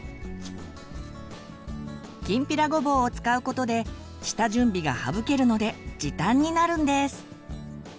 きんぴらごぼうを使うことで下準備が省けるので時短になるんです。